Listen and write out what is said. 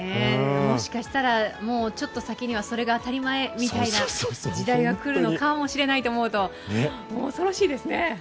もしかしたら、もうちょっと先にはそれが当たり前みいな時代がくるかと思うと恐ろしいですね。